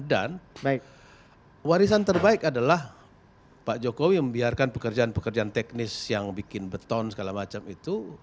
dan warisan terbaik adalah pak jokowi yang membiarkan pekerjaan pekerjaan teknis yang bikin beton segala macam itu